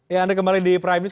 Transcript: ya anda kembali di prime news